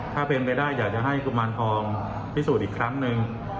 ถ้าเป็นไปได้อยากจะให้กุมารทองพิสูจน์อีกครั้งหนึ่ง